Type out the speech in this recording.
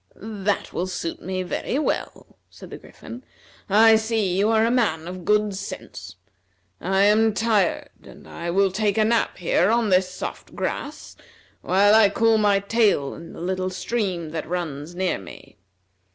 "That will suit me very well," said the Griffin. "I see you are a man of good sense. I am tired, and I will take a nap here on this soft grass, while I cool my tail in the little stream that runs near me.